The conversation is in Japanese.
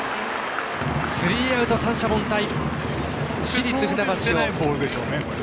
スリーアウト、三者凡退！